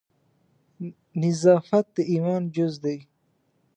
نظافت د ایمان جز ده